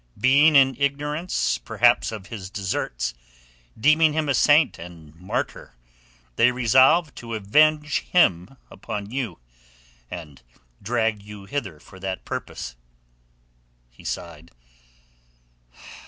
"Being in ignorance perhaps of his deserts, deeming him a saint and martyr, they resolved to avenge him upon you, and dragged you hither for that purpose." He sighed.